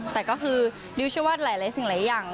แต่ก็คือดิวเชื่อว่าหลายสิ่งหลายอย่าง